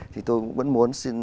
thì tôi vẫn muốn xin